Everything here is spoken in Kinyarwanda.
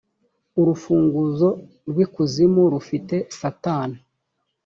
urufunguzo rw’ ikuzimu rufite satani.